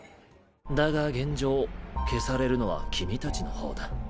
だが現状消されるのは君たちの方だ。